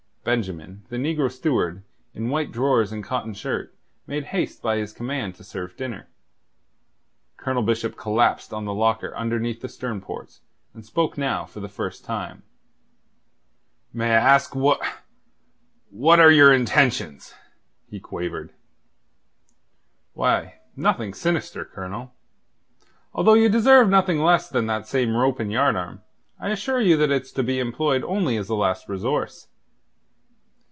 Benjamin, the negro steward, in white drawers and cotton shirt, made haste by his command to serve dinner. Colonel Bishop collapsed on the locker under the stern ports, and spoke now for the first time. "May I ask wha... what are your intentions?" he quavered. "Why, nothing sinister, Colonel. Although ye deserve nothing less than that same rope and yardarm, I assure you that it's to be employed only as a last resource.